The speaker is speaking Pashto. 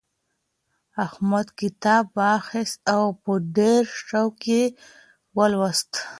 احمد کتاب واخیستی او په ډېر شوق یې ولوستی.